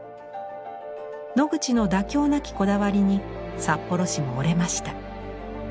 ノグチの妥協なきこだわりに札幌市も折れました。